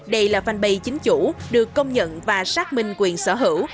đây là fanpage chính chủ được công nhận và xác minh quyền sở hữu